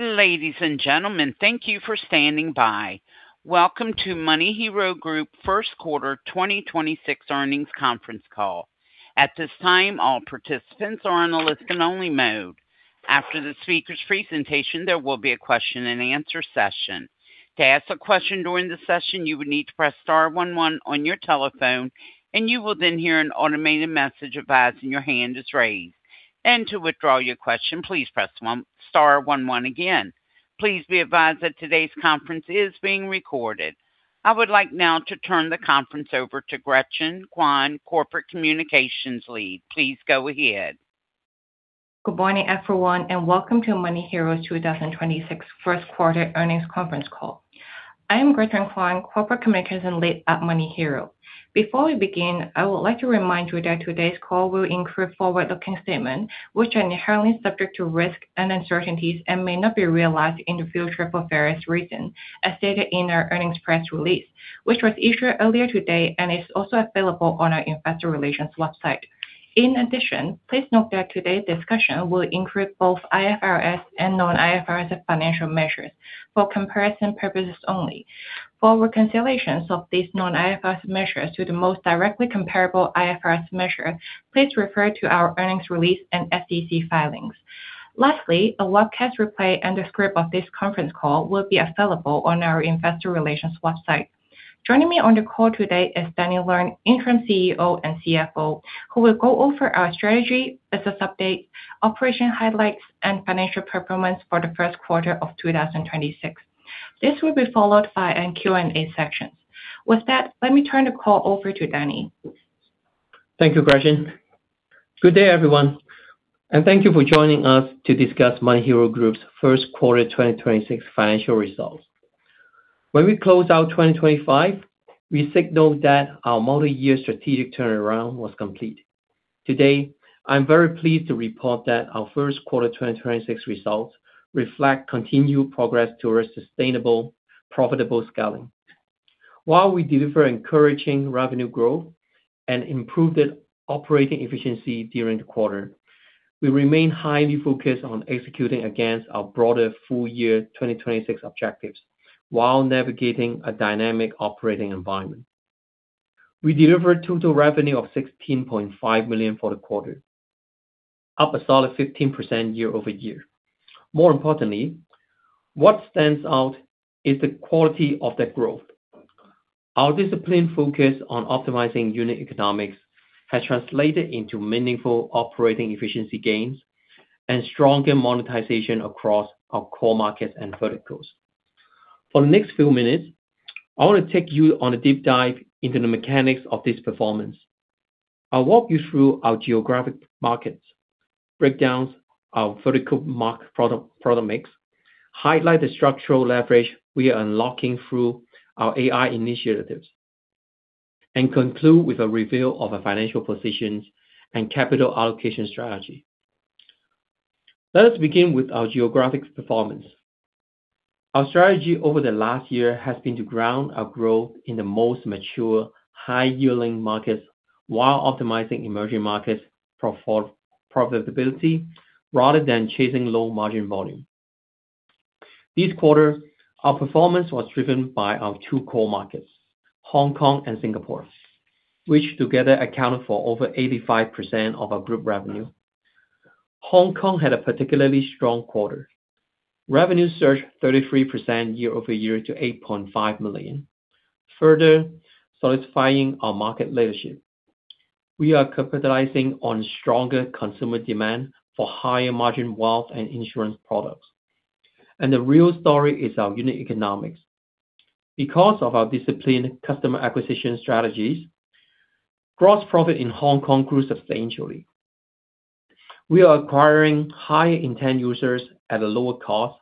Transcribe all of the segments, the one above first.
Ladies and gentlemen, thank you for standing by. Welcome to MoneyHero Group first quarter 2026 earnings conference call. At this time, all participants are on a listen-only mode. After the speaker's presentation, there will be a question-and-answer session. To ask a question during the session, you would need to press star one one on your telephone, and you will then hear an automated message advising your hand is raised. To withdraw your question, please press star one one again. Please be advised that today's conference is being recorded. I would like now to turn the conference over to Gretchen Kwan, Corporate Communications Lead. Please go ahead. Good morning, everyone. Welcome to MoneyHero's 2026 first quarter earnings conference call. I am Gretchen Kwan, Corporate Communications Lead at MoneyHero. Before we begin, I would like to remind you that today's call will include forward-looking statements, which are inherently subject to risks and uncertainties and may not be realized in the future for various reasons, as stated in our earnings press release, which was issued earlier today and is also available on our investor relations website. Please note that today's discussion will include both IFRS and non-IFRS financial measures for comparison purposes only. For reconciliations of these non-IFRS measures to the most directly comparable IFRS measure, please refer to our earnings release and SEC filings. Lastly, a webcast replay and a script of this conference call will be available on our investor relations website. Joining me on the call today is Danny Leung, Interim CEO and CFO, who will go over our strategy, business update, operation highlights, and financial performance for the first quarter of 2026. This will be followed by a Q&A section. Let me turn the call over to Danny. Thank you, Gretchen. Good day, everyone. Thank you for joining us to discuss MoneyHero Group's first quarter 2026 financial results. When we closed out 2025, we signaled that our multiyear strategic turnaround was complete. Today, I'm very pleased to report that our first quarter 2026 results reflect continued progress towards sustainable, profitable scaling. While we deliver encouraging revenue growth and improved operating efficiency during the quarter, we remain highly focused on executing against our broader full year 2026 objectives while navigating a dynamic operating environment. We delivered total revenue of $16.5 million for the quarter, up a solid 15% year-over-year. What stands out is the quality of that growth. Our disciplined focus on optimizing unit economics has translated into meaningful operating efficiency gains and stronger monetization across our core markets and verticals. For the next few minutes, I want to take you on a deep dive into the mechanics of this performance. I'll walk you through our geographic markets, break down our vertical product mix, highlight the structural leverage we are unlocking through our AI initiatives, and conclude with a review of our financial positions and capital allocation strategy. Let us begin with our geographic performance. Our strategy over the last year has been to ground our growth in the most mature, high-yielding markets while optimizing emerging markets for profitability rather than chasing low-margin volume. This quarter, our performance was driven by our two core markets, Hong Kong and Singapore, which together accounted for over 85% of our group revenue. Hong Kong had a particularly strong quarter. Revenue surged 33% year-over-year to $8.5 million, further solidifying our market leadership. We are capitalizing on stronger consumer demand for higher-margin wealth and insurance products. The real story is our unit economics. Because of our disciplined customer acquisition strategies, gross profit in Hong Kong grew substantially. We are acquiring higher intent users at a lower cost,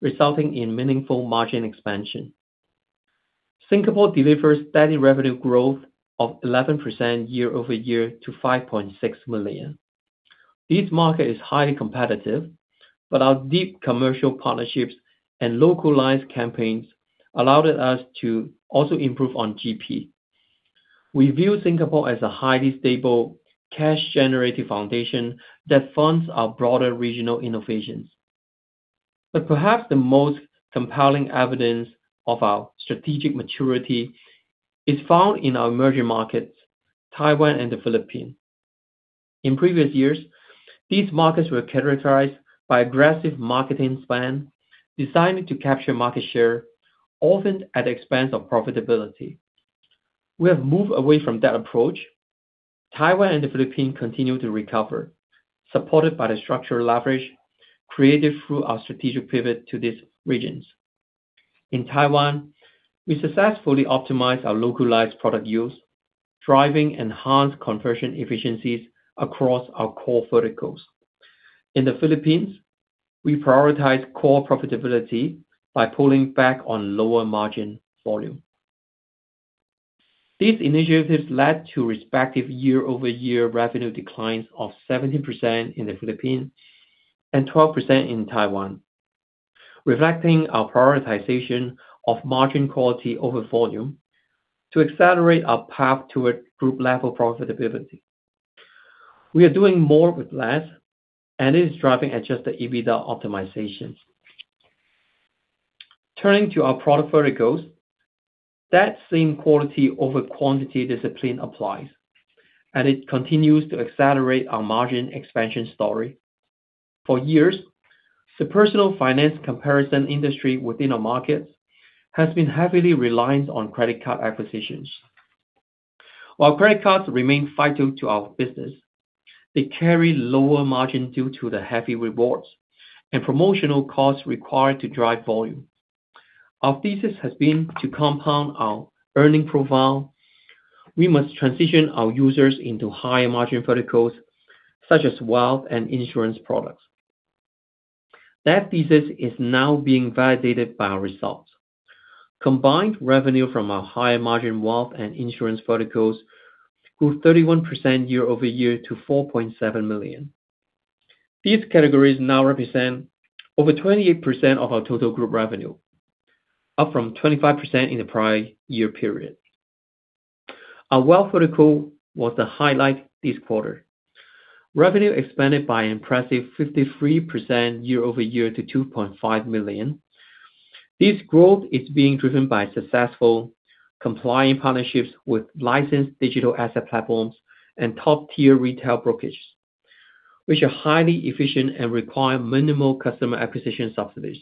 resulting in meaningful margin expansion. Singapore delivers steady revenue growth of 11% year-over-year to $5.6 million. This market is highly competitive, but our deep commercial partnerships and localized campaigns allowed us to also improve on GP. We view Singapore as a highly stable, cash-generative foundation that funds our broader regional innovations. Perhaps the most compelling evidence of our strategic maturity is found in our emerging markets, Taiwan and the Philippines. In previous years, these markets were characterized by aggressive marketing spend designed to capture market share, often at the expense of profitability. We have moved away from that approach. Taiwan and the Philippines continue to recover, supported by the structural leverage created through our strategic pivot to these regions. In Taiwan, we successfully optimized our localized product use, driving enhanced conversion efficiencies across our core verticals. In the Philippines, we prioritize core profitability by pulling back on lower-margin volume. These initiatives led to respective year-over-year revenue declines of 17% in the Philippines and 12% in Taiwan, reflecting our prioritization of margin quality over volume to accelerate our path towards group-level profitability. We are doing more with less, it is driving adjusted EBITDA optimization. Turning to our product verticals, that same quality over quantity discipline applies, it continues to accelerate our margin expansion story. For years, the personal finance comparison industry within our markets has been heavily reliant on credit card acquisitions. While credit cards remain vital to our business, they carry lower margin due to the heavy rewards and promotional costs required to drive volume. Our thesis has been to compound our earning profile. We must transition our users into higher margin verticals such as wealth and insurance products. That thesis is now being validated by our results. Combined revenue from our higher margin wealth and insurance verticals grew 31% year-over-year to $4.7 million. These categories now represent over 28% of our total group revenue, up from 25% in the prior year period. Our wealth vertical was the highlight this quarter. Revenue expanded by impressive 53% year-over-year to $2.5 million. This growth is being driven by successful compliant partnerships with licensed digital asset platforms and top-tier retail brokerages, which are highly efficient and require minimal customer acquisition subsidies.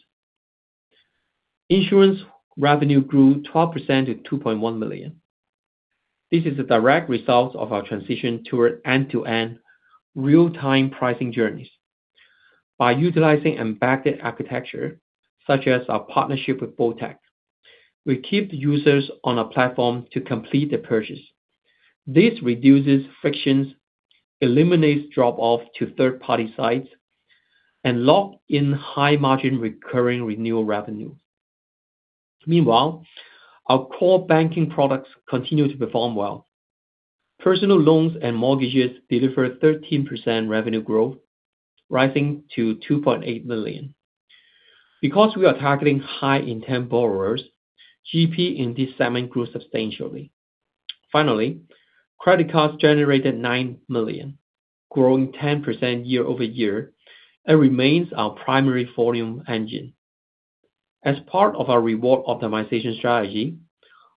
Insurance revenue grew 12% to $2.1 million. This is a direct result of our transition toward end-to-end real-time pricing journeys. By utilizing embedded architecture such as our partnership with bolttech, we keep users on our platform to complete their purchase. This reduces frictions, eliminates drop-off to third-party sites, and lock in high-margin recurring renewal revenue. Meanwhile, our core banking products continue to perform well. Personal loans and mortgages delivered 13% revenue growth, rising to $2.8 million. Because we are targeting high-intent borrowers, GP in this segment grew substantially. Finally, credit cards generated $9 million, growing 10% year-over-year, and remains our primary volume engine. As part of our reward optimization strategy,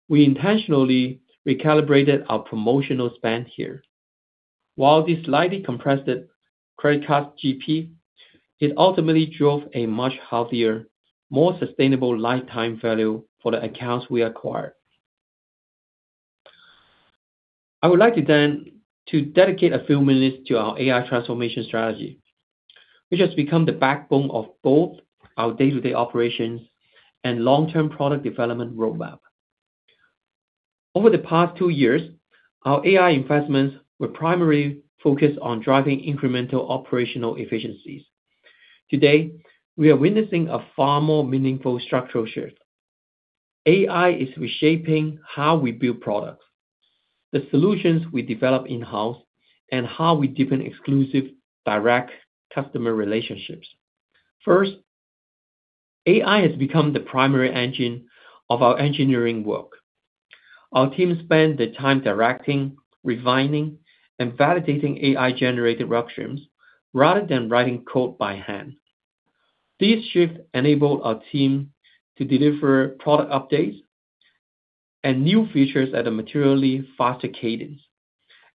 we intentionally recalibrated our promotional spend here. While this slightly compressed credit card GP, it ultimately drove a much healthier, more sustainable lifetime value for the accounts we acquired. I would like then to dedicate a few minutes to our AI transformation strategy, which has become the backbone of both our day-to-day operations and long-term product development roadmap. Over the past two years, our AI investments were primarily focused on driving incremental operational efficiencies. Today, we are witnessing a far more meaningful structural shift. AI is reshaping how we build products, the solutions we develop in-house, and how we deepen exclusive direct customer relationships. First, AI has become the primary engine of our engineering work. Our team spend the time directing, refining, and validating AI-generated code rather than writing code by hand. This shift enabled our team to deliver product updates and new features at a materially faster cadence,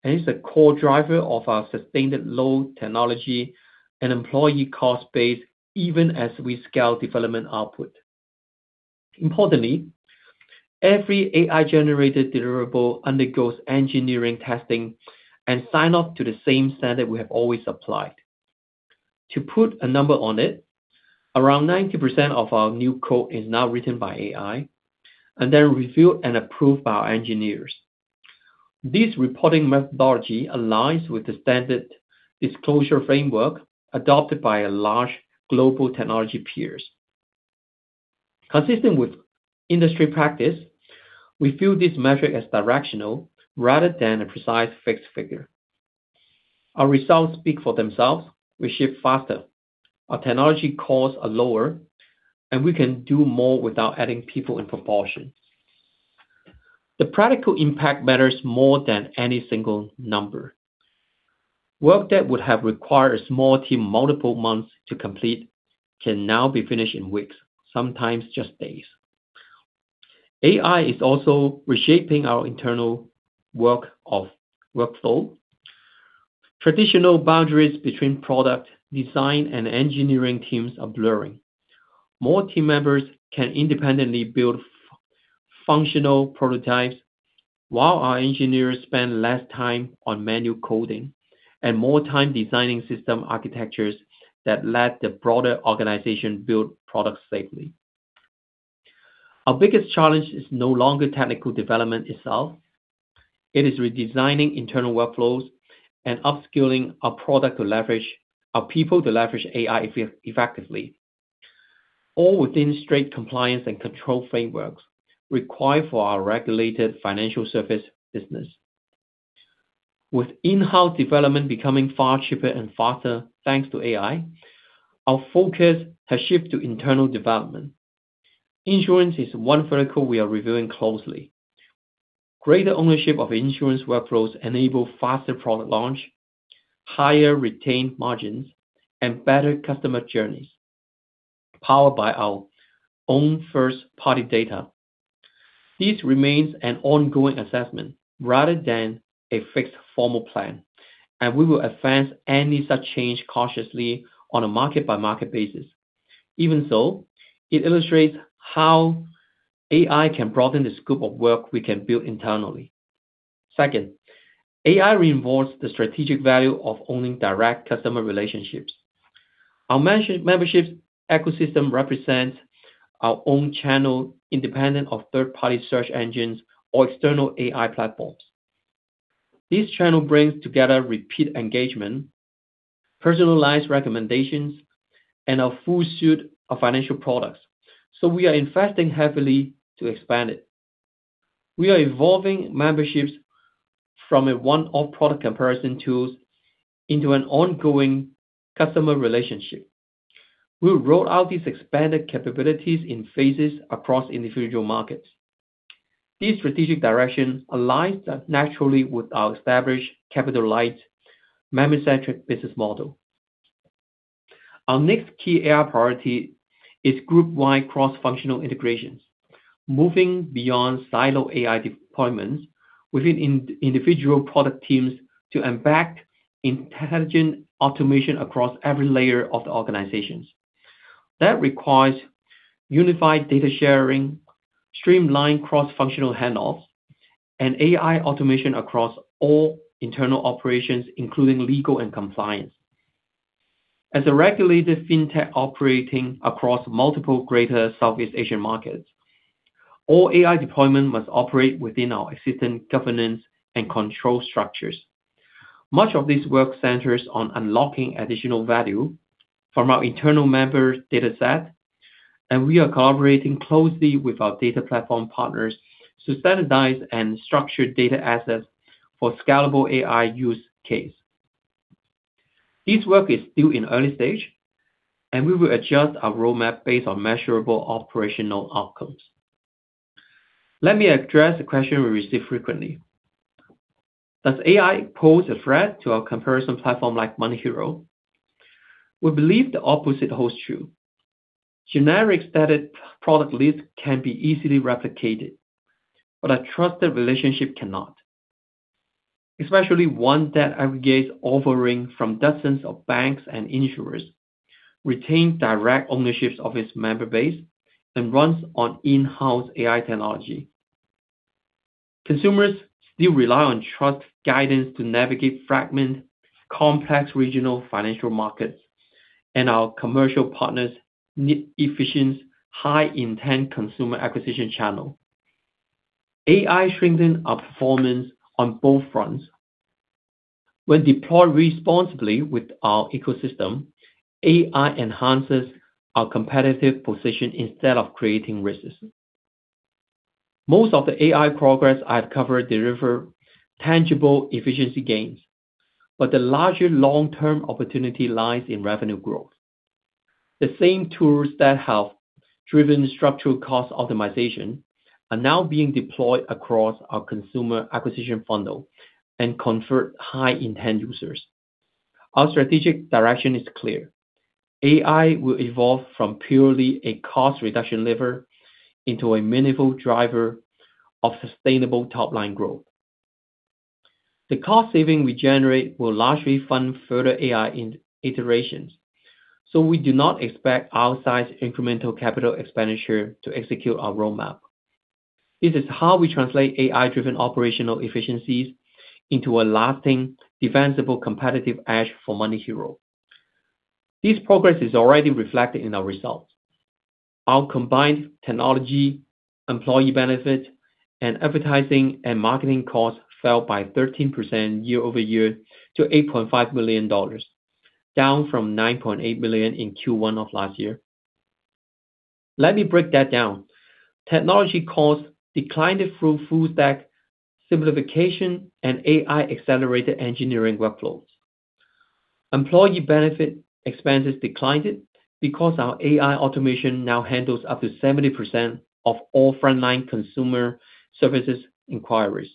and is a core driver of our sustained low technology and employee cost base even as we scale development output. Importantly, every AI-generated deliverable undergoes engineering testing and sign-off to the same standard we have always applied. To put a number on it, around 90% of our new code is now written by AI and then reviewed and approved by our engineers. This reporting methodology aligns with the standard disclosure framework adopted by a large global technology peers. Consistent with industry practice, we view this metric as directional rather than a precise fixed figure. Our results speak for themselves. We ship faster, our technology costs are lower, and we can do more without adding people in proportion. The practical impact matters more than any single number. Work that would have required a small team multiple months to complete can now be finished in weeks, sometimes just days. AI is also reshaping our internal workflow. Traditional boundaries between product design and engineering teams are blurring. More team members can independently build functional prototypes while our engineers spend less time on manual coding and more time designing system architectures that let the broader organization build products safely. Our biggest challenge is no longer technical development itself. It is redesigning internal workflows and upskilling our people to leverage AI effectively, all within strict compliance and control frameworks required for our regulated financial service business. With in-house development becoming far cheaper and faster thanks to AI, our focus has shifted to internal development. Insurance is one vertical we are reviewing closely. Greater ownership of insurance workflows enable faster product launch, higher retained margins, and better customer journeys, powered by our own first-party data. This remains an ongoing assessment rather than a fixed formal plan, and we will advance any such change cautiously on a market-by-market basis. Even so, it illustrates how AI can broaden the scope of work we can build internally. Second, AI reinforces the strategic value of owning direct customer relationships. Our memberships ecosystem represents our own channel independent of third-party search engines or external AI platforms. This channel brings together repeat engagement, personalized recommendations, and a full suite of financial products. We are investing heavily to expand it. We are evolving memberships from a one-off product comparison tool into an ongoing customer relationship. We will roll out these expanded capabilities in phases across individual markets. This strategic direction aligns naturally with our established capital-light, member-centric business model. Our next key AI priority is group-wide cross-functional integrations. Moving beyond siloed AI deployments within individual product teams to embed intelligent automation across every layer of the organizations. That requires unified data sharing, streamlined cross-functional handoffs, and AI automation across all internal operations, including legal and compliance. As a regulated fintech operating across multiple Greater Southeast Asian markets, all AI deployment must operate within our existing governance and control structures. Much of this work centers on unlocking additional value from our internal member dataset, and we are collaborating closely with our data platform partners to standardize and structure data assets for scalable AI use cases. This work is still in the early stage, and we will adjust our roadmap based on measurable operational outcomes. Let me address a question we receive frequently. Does AI pose a threat to our comparison platform like MoneyHero? We believe the opposite holds true. Generic static product lists can be easily replicated, but a trusted relationship cannot. Especially one that aggregates offerings from dozens of banks and insurers, retains direct ownership of its member base, and runs on in-house AI technology. Consumers still rely on trusted guidance to navigate fragmented, complex regional financial markets, and our commercial partners need efficient, high-intent consumer acquisition channels. AI strengthens our performance on both fronts. When deployed responsibly with our ecosystem, AI enhances our competitive position instead of creating risks. Most of the AI progress I've covered delivers tangible efficiency gains, but the larger long-term opportunity lies in revenue growth. The same tools that have driven structural cost optimization are now being deployed across our consumer acquisition funnel and convert high-intent users. Our strategic direction is clear. AI will evolve from purely a cost reduction lever into a meaningful driver of sustainable top-line growth. The cost savings we generate will largely fund further AI iterations. We do not expect outsized incremental capital expenditure to execute our roadmap. This is how we translate AI-driven operational efficiencies into a lasting defensible competitive edge for MoneyHero. This progress is already reflected in our results. Our combined technology, employee benefits, and advertising and marketing costs fell by 13% year-over-year to $8.5 million, down from $9.8 million in Q1 of last year. Let me break that down. Technology costs declined through full stack simplification and AI-accelerated engineering workflows. Employee benefit expenses declined because our AI automation now handles up to 70% of all frontline consumer services inquiries,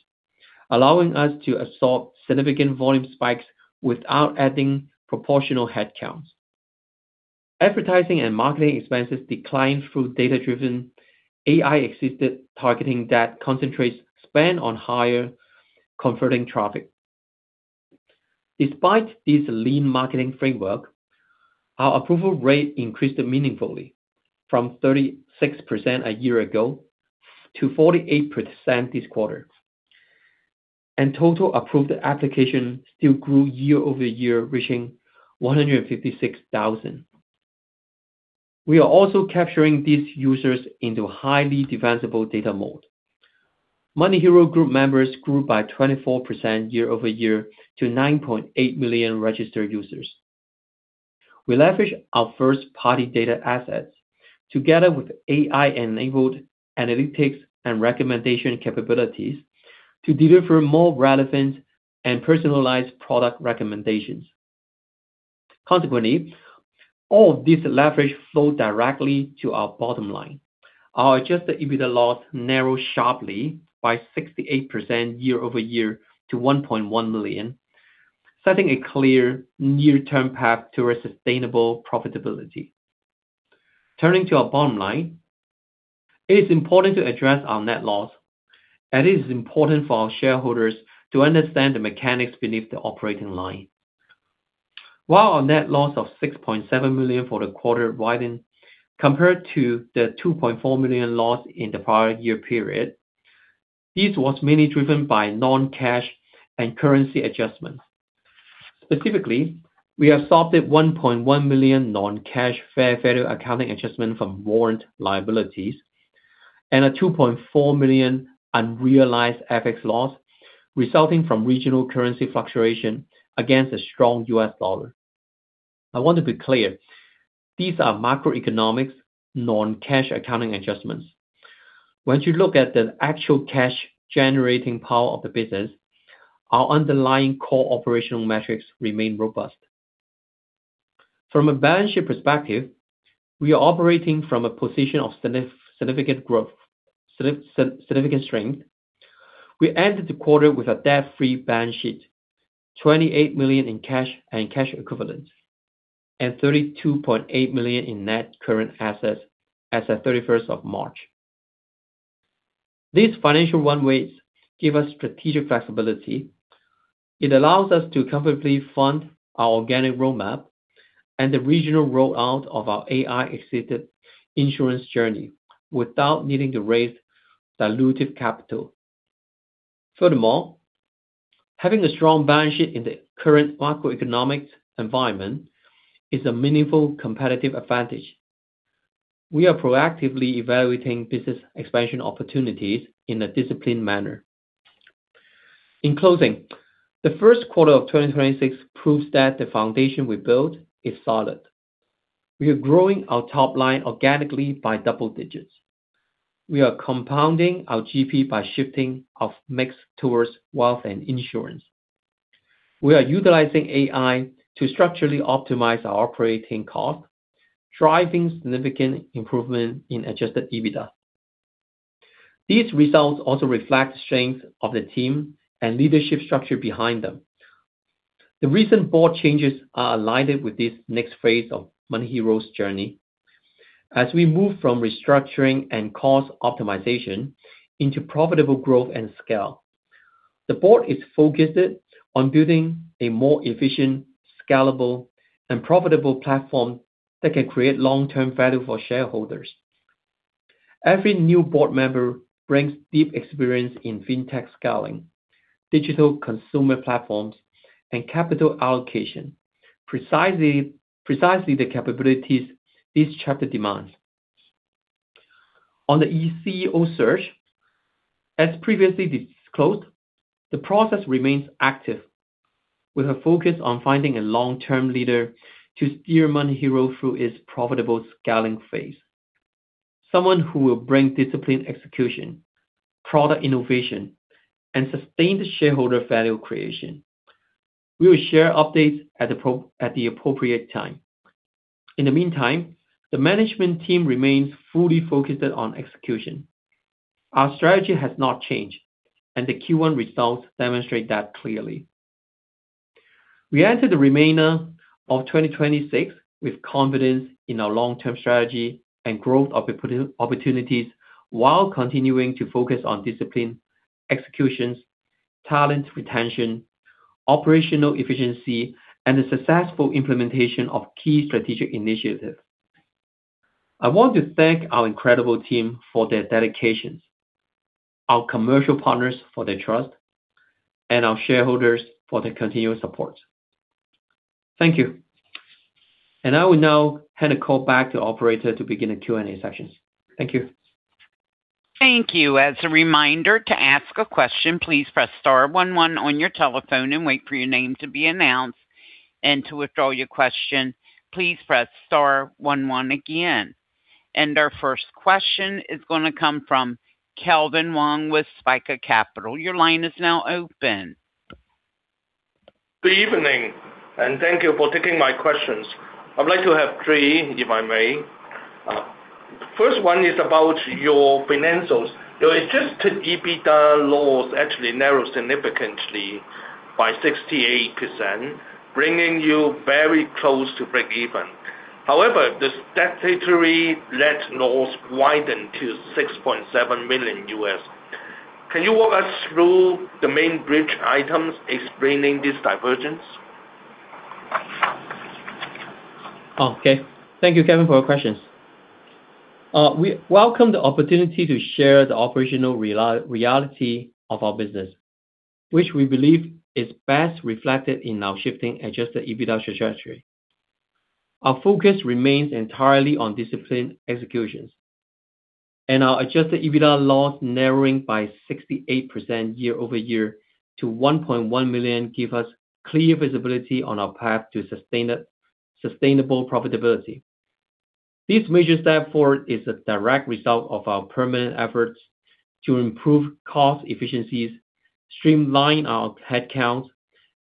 allowing us to absorb significant volume spikes without adding proportional headcounts. Advertising and marketing expenses declined through data-driven AI-assisted targeting that concentrates spend on higher converting traffic. Despite this lean marketing framework, our approval rate increased meaningfully from 36% a year ago to 48% this quarter, and total approved applications still grew year-over-year, reaching 156,000. We are also capturing these users into highly defensible data moat. MoneyHero Group members grew by 24% year-over-year to 9.8 million registered users. We leverage our first-party data assets together with AI-enabled analytics and recommendation capabilities to deliver more relevant and personalized product recommendations. Consequently, all of this leverage flowed directly to our bottom line. Our adjusted EBITDA loss narrowed sharply by 68% year-over-year to $1.1 million, setting a clear near-term path to sustainable profitability. Turning to our bottom line, it is important to address our net loss, and it is important for our shareholders to understand the mechanics beneath the operating line. While our net loss of $6.7 million for the quarter widened compared to the $2.4 million loss in the prior year period, this was mainly driven by non-cash and currency adjustments. Specifically, we have stopped at $1.1 million non-cash fair value accounting adjustment from warrant liabilities and a $2.4 million unrealized FX loss resulting from regional currency fluctuation against a strong U.S. dollar. I want to be clear. These are macroeconomic non-cash accounting adjustments. Once you look at the actual cash generating power of the business, our underlying core operational metrics remain robust. From a balance sheet perspective, we are operating from a position of significant strength. We ended the quarter with a debt-free balance sheet, $28 million in cash and cash equivalents, and $32.8 million in net current assets as at 31st of March. These financial run rates give us strategic flexibility. It allows us to comfortably fund our organic roadmap and the regional rollout of our AI-assisted insurance journey without needing to raise dilutive capital. Furthermore, having a strong balance sheet in the current macroeconomic environment is a meaningful competitive advantage. We are proactively evaluating business expansion opportunities in a disciplined manner. In closing, the first quarter of 2026 proves that the foundation we built is solid. We are growing our top line organically by double digits. We are compounding our GP by shifting of mix towards wealth and insurance. We are utilizing AI to structurally optimize our operating cost, driving significant improvement in adjusted EBITDA. These results also reflect strength of the team and leadership structure behind them. The recent board changes are aligned with this next phase of MoneyHero's journey. As we move from restructuring and cost optimization into profitable growth and scale, the board is focused on building a more efficient, scalable, and profitable platform that can create long-term value for shareholders. Every new board member brings deep experience in fintech scaling, digital consumer platforms, and capital allocation, precisely the capabilities this chapter demands. On the CEO search, as previously disclosed, the process remains active, with a focus on finding a long-term leader to steer MoneyHero through its profitable scaling phase. Someone who will bring disciplined execution, product innovation, and sustained shareholder value creation. We will share updates at the appropriate time. In the meantime, the management team remains fully focused on execution. Our strategy has not changed, and the Q1 results demonstrate that clearly. We enter the remainder of 2026 with confidence in our long-term strategy and growth opportunities while continuing to focus on disciplined executions, talent retention, operational efficiency, and the successful implementation of key strategic initiatives. I want to thank our incredible team for their dedication, our commercial partners for their trust, and our shareholders for their continuous support. Thank you. I will now hand the call back to the operator to begin the Q&A session. Thank you. Thank you. As a reminder to ask a question, please press star one one on your telephone and wait for your name to be announced, and to withdraw your question, please press star one one again. Our first question is going to come from Kelvin Wong with Spica Capital. Your line is now open. Good evening, and thank you for taking my questions. I would like to have three, if I may. First one is about your financials. Your adjusted EBITDA loss actually narrowed significantly by 68%, bringing you very close to breakeven. However, the statutory net loss widened to $6.7 million. Can you walk us through the main bridge items explaining this divergence? Okay. Thank you, Kelvin, for your questions. We welcome the opportunity to share the operational reality of our business, which we believe is best reflected in our shifting adjusted EBITDA trajectory. Our focus remains entirely on disciplined executions, and our adjusted EBITDA loss narrowing by 68% year-over-year to $1.1 million give us clear visibility on our path to sustainable profitability. This major step forward is a direct result of our permanent efforts to improve cost efficiencies, streamline our headcounts,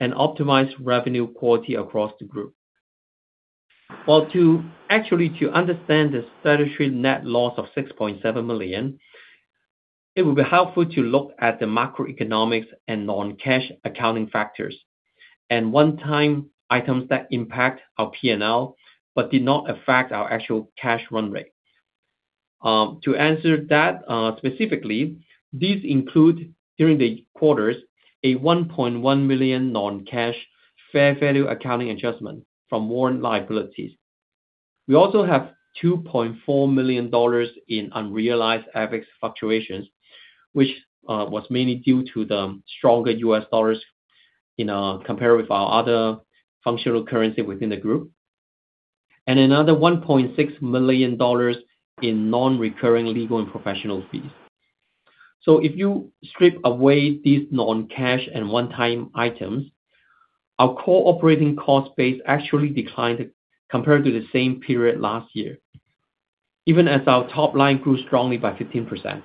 and optimize revenue quality across the group. Well, actually to understand the statutory net loss of $6.7 million, it would be helpful to look at the macroeconomics and non-cash accounting factors and one-time items that impact our P&L but did not affect our actual cash run rate. To answer that specifically, these include, during the quarters, a $1.1 million non-cash fair value accounting adjustment from warrant liabilities. We also have $2.4 million in unrealized FX fluctuations, which was mainly due to the stronger U.S. dollars compared with our other functional currency within the group. Another $1.6 million in non-recurring legal and professional fees. If you strip away these non-cash and one-time items, our core operating cost base actually declined compared to the same period last year, even as our top line grew strongly by 15%.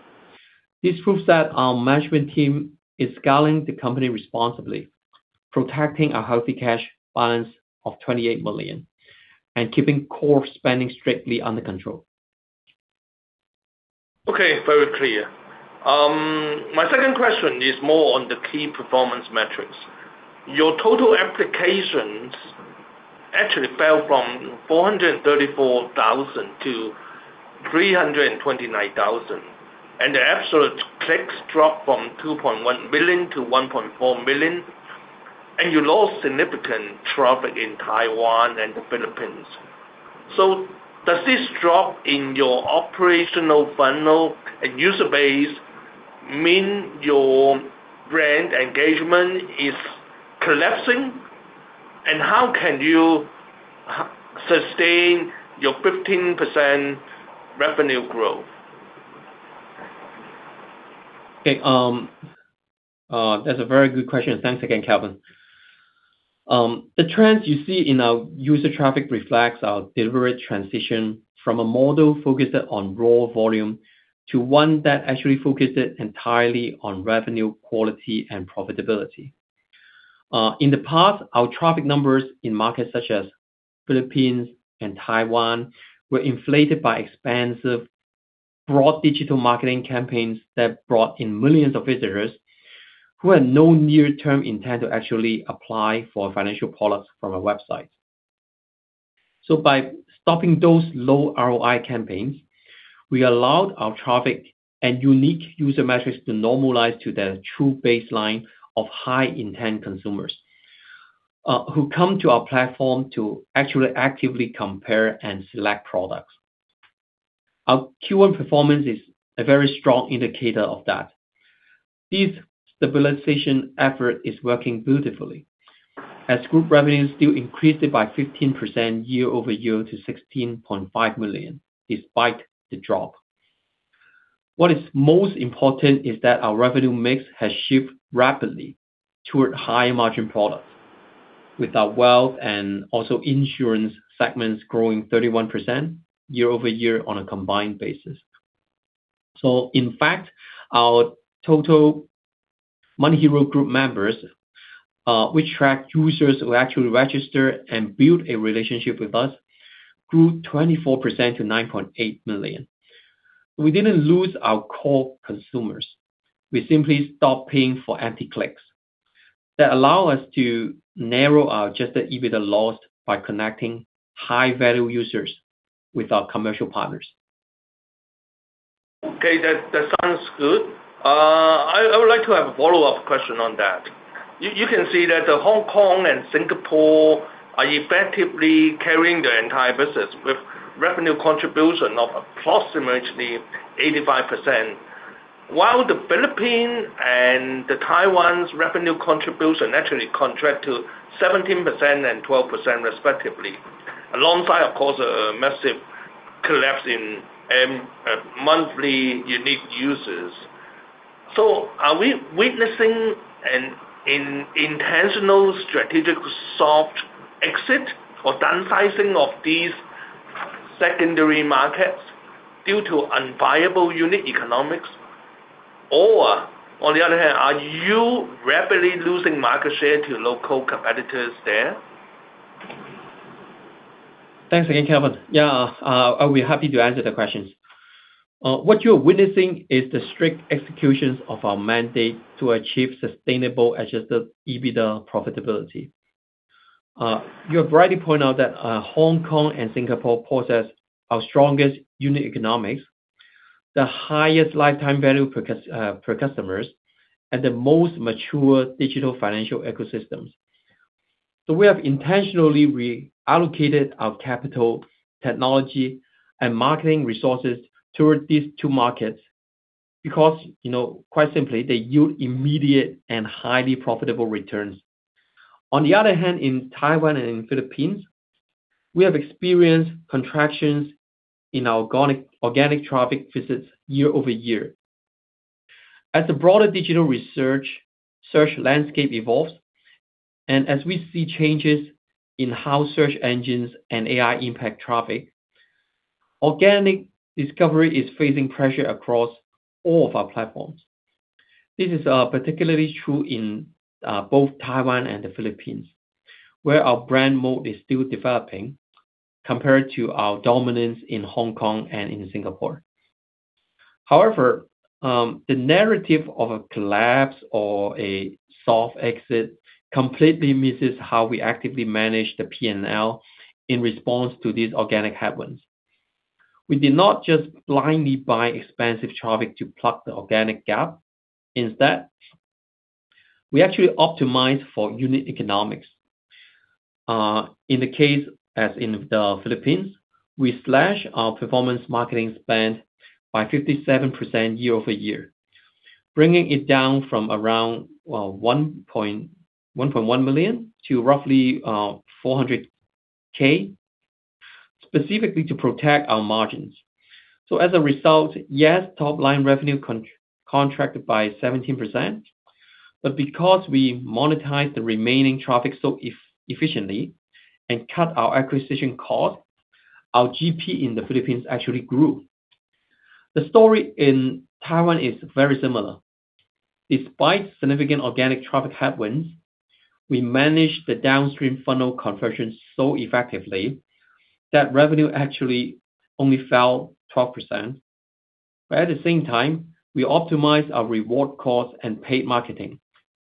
This proves that our management team is scaling the company responsibly, protecting our healthy cash balance of $28 million, and keeping core spending strictly under control. Okay, very clear. My second question is more on the key performance metrics. Your total applications actually fell from 434,000 to 329,000, and the absolute clicks dropped from 2.1 million to 1.4 million, and you lost significant traffic in Taiwan and the Philippines. Does this drop in your operational funnel and user base mean your brand engagement is collapsing? How can you sustain your 15% revenue growth? Okay. That's a very good question. Thanks again, Kelvin. The trends you see in our user traffic reflects our deliberate transition from a model focused on raw volume to one that actually focuses entirely on revenue, quality, and profitability. In the past, our traffic numbers in markets such as Philippines and Taiwan were inflated by expensive, broad digital marketing campaigns that brought in millions of visitors who had no near-term intent to actually apply for financial products from our website. By stopping those low ROI campaigns, we allowed our traffic and unique user metrics to normalize to the true baseline of high-intent consumers, who come to our platform to actually actively compare and select products. Our Q1 performance is a very strong indicator of that. This stabilization effort is working beautifully as group revenue still increased by 15% year-over-year to $16.5 million, despite the drop. What is most important is that our revenue mix has shifted rapidly toward higher-margin products with our wealth and also insurance segments growing 31% year-over-year on a combined basis. In fact, our total MoneyHero Group members, we track users who actually register and build a relationship with us, grew 24% to 9.8 million. We didn't lose our core consumers. We simply stopped paying for empty clicks. That allow us to narrow our adjusted EBITDA loss by connecting high-value users with our commercial partners. Okay. That sounds good. I would like to have a follow-up question on that. You can see that Hong Kong and Singapore are effectively carrying the entire business with revenue contribution of approximately 85%, while the Philippines and Taiwan's revenue contribution actually contract to 17% and 12% respectively, alongside, of course, a massive collapse in monthly unique users. Are we witnessing an intentional strategic soft exit or downsizing of these secondary markets due to unviable unit economics? On the other hand, are you rapidly losing market share to local competitors there? Thanks again, Kelvin. Yeah, I'll be happy to answer the questions. What you're witnessing is the strict executions of our mandate to achieve sustainable adjusted EBITDA profitability. You have rightly pointed out that Hong Kong and Singapore possess our strongest unit economics, the highest lifetime value per customers, and the most mature digital financial ecosystems. We have intentionally reallocated our capital, technology, and marketing resources towards these two markets because quite simply, they yield immediate and highly profitable returns. On the other hand, in Taiwan and in Philippines, we have experienced contractions in our organic traffic visits year-over-year as the broader digital research search landscape evolves, and as we see changes in how search engines and AI impact traffic, organic discovery is facing pressure across all of our platforms. This is particularly true in both Taiwan and the Philippines, where our brand moat is still developing compared to our dominance in Hong Kong and in Singapore. However, the narrative of a collapse or a soft exit completely misses how we actively manage the P&L in response to these organic headwinds. We did not just blindly buy expensive traffic to plug the organic gap. Instead, we actually optimized for unit economics. In the case, as in the Philippines, we slashed our performance marketing spend by 57% year-over-year, bringing it down from around $1.1 million to roughly $400,000, specifically to protect our margins. As a result, yes, top-line revenue contracted by 17%, but because we monetized the remaining traffic so efficiently and cut our acquisition cost, our GP in the Philippines actually grew. The story in Taiwan is very similar. Despite significant organic traffic headwinds, we managed the downstream funnel conversion so effectively that revenue actually only fell 12%. At the same time, we optimized our reward cost and paid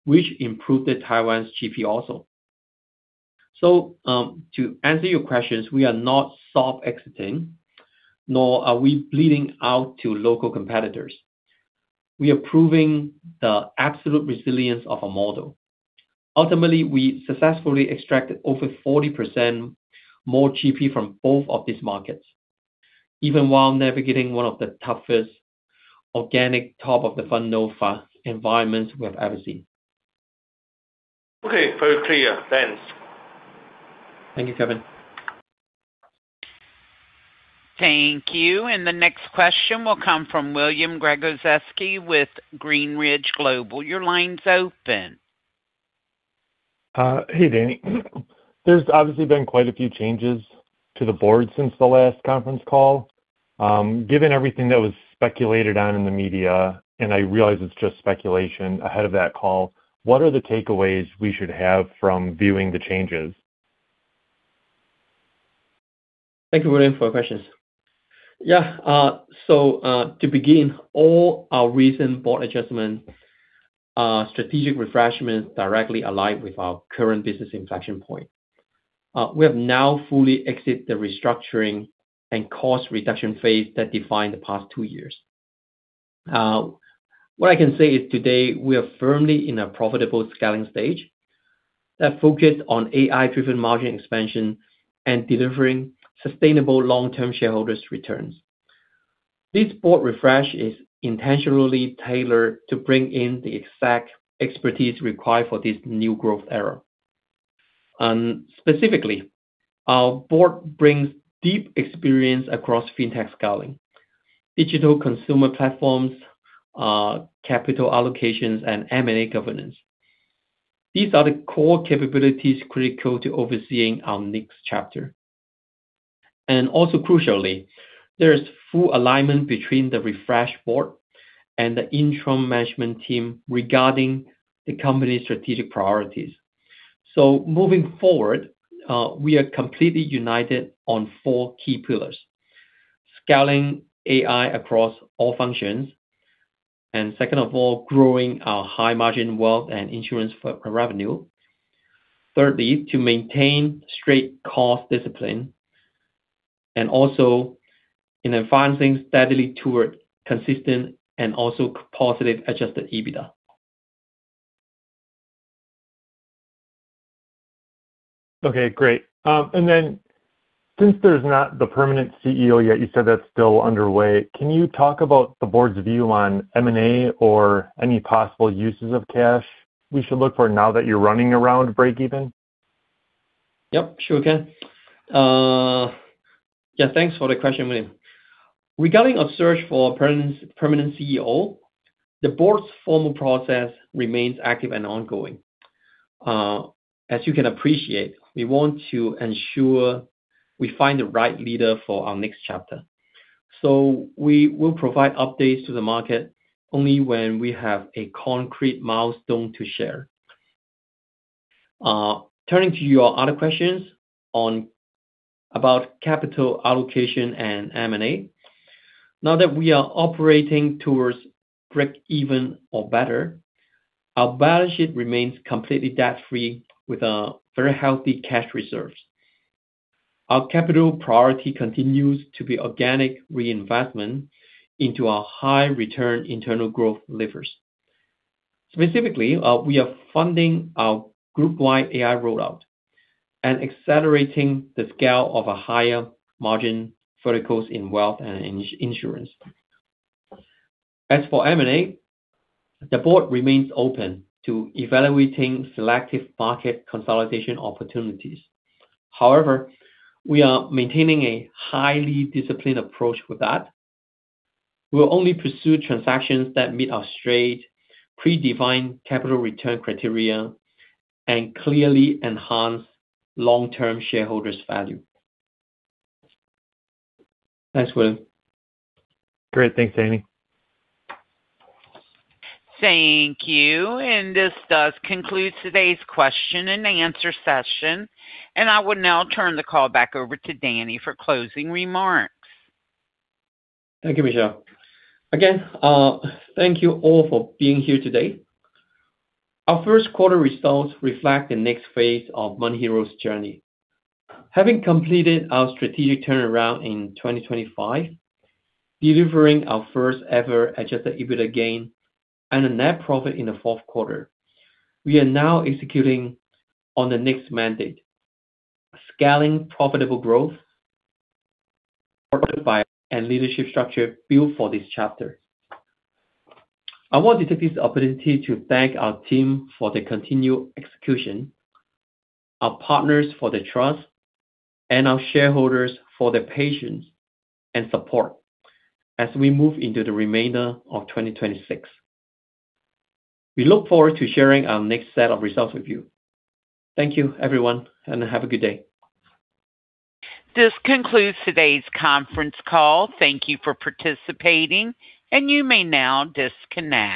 marketing, which improved Taiwan's GP also. To answer your questions, we are not soft exiting, nor are we bleeding out to local competitors. We are proving the absolute resilience of our model. Ultimately, we successfully extracted over 40% more GP from both of these markets, even while navigating one of the toughest organic top-of-the-funnel environments we have ever seen. Okay, very clear. Thanks. Thank you, Kelvin. Thank you. The next question will come from William Gregozeski with Greenridge Global. Your line's open. Hey, Danny. There's obviously been quite a few changes to the board since the last conference call. Given everything that was speculated on in the media, and I realize it's just speculation ahead of that call, what are the takeaways we should have from viewing the changes? Thank you, William, for your questions. To begin, all our recent board adjustment strategic refreshments directly align with our current business inflection point. We have now fully exit the restructuring and cost reduction phase that defined the past two years. What I can say is today, we are firmly in a profitable scaling stage that focused on AI-driven margin expansion and delivering sustainable long-term shareholders returns. This board refresh is intentionally tailored to bring in the exact expertise required for this new growth era. Specifically, our board brings deep experience across fintech scaling, digital consumer platforms, capital allocations, and M&A governance. These are the core capabilities critical to overseeing our next chapter. Crucially, there is full alignment between the refresh board and the interim management team regarding the company's strategic priorities. Moving forward, we are completely united on four key pillars, scaling AI across all functions. Second of all, growing our high-margin wealth and insurance revenue. Thirdly, to maintain strict cost discipline, and also in advancing steadily toward consistent and also positive adjusted EBITDA. Okay, great. Since there's not the permanent CEO yet, you said that's still underway. Can you talk about the board's view on M&A or any possible uses of cash we should look for now that you're running around breakeven? Yep, sure can. Thanks for the question, William. Regarding a search for a permanent CEO, the board's formal process remains active and ongoing. As you can appreciate, we want to ensure we find the right leader for our next chapter. We will provide updates to the market only when we have a concrete milestone to share. Turning to your other questions about capital allocation and M&A, now that we are operating towards breakeven or better, our balance sheet remains completely debt-free with a very healthy cash reserves. Our capital priority continues to be organic reinvestment into our high return internal growth levers. Specifically, we are funding our group-wide AI rollout and accelerating the scale of a higher margin verticals in wealth and insurance. As for M&A, the board remains open to evaluating selective market consolidation opportunities. However, we are maintaining a highly disciplined approach with that. We'll only pursue transactions that meet our straight predefined capital return criteria and clearly enhance long-term shareholders value. Thanks, William. Great. Thanks, Danny. Thank you. This does conclude today's question-and-answer session. I would now turn the call back over to Danny for closing remarks. Thank you, Michelle. Again, thank you all for being here today. Our first quarter results reflect the next phase of MoneyHero's journey. Having completed our strategic turnaround in 2025, delivering our first ever adjusted EBITDA gain and a net profit in the fourth quarter, we are now executing on the next mandate, scaling profitable growth by and leadership structure built for this chapter. I want to take this opportunity to thank our team for their continued execution, our partners for their trust, and our shareholders for their patience and support as we move into the remainder of 2026. We look forward to sharing our next set of results with you. Thank you, everyone, and have a good day. This concludes today's conference call. Thank you for participating, and you may now disconnect.